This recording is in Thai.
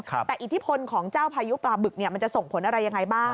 แต่อิทธิพลของเจ้าพายุปลาบึกมันจะส่งผลอะไรยังไงบ้าง